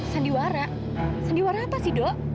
sandiwara sandiwara apa sih dok